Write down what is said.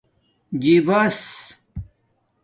جیباس